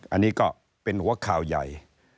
อันนี้ก็เป็นหัวข่าวใหญ่